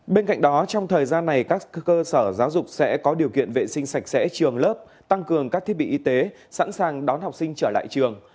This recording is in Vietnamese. bên cạnh đó trong thời gian này các cơ sở giáo dục sẽ có điều kiện vệ sinh sạch sẽ trường lớp tăng cường các thiết bị y tế sẵn sàng đón học sinh trở lại trường